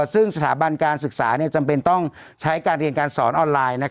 ซึ่งสถาบันการศึกษาจำเป็นต้องใช้การเรียนการสอนออนไลน์